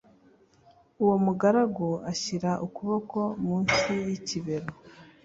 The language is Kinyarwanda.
uwo mugaragu ashyira ukuboko munsi y ‘ikibero.